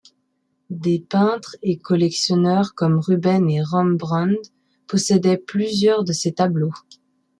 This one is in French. Des peintres et collectionneurs comme Rubens et Rembrandt possédaient plusieurs de ses tableaux.